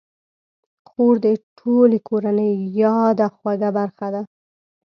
خور د ټولې کورنۍ یاده خوږه برخه ده.